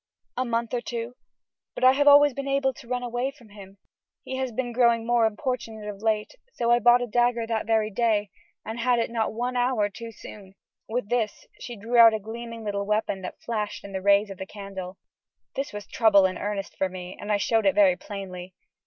"A month or two; but I have always been able to run away from him. He has been growing more importunate of late, so I bought a dagger that very day, and had it not one hour too soon." With this she drew out a gleaming little weapon that flashed in the rays of the candle. This was trouble in earnest for me, and I showed it very plainly.